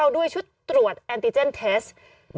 ด้วยชุดตรวจแอนติเจนเทส